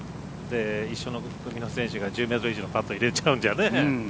一緒の組の選手が１０ｍ以上のパット入れちゃうんじゃね。